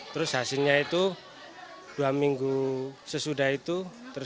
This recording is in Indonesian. terus hasilnya itu dua minggu sesudah itu